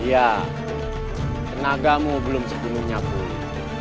iya tenagamu belum sejenisnya pulih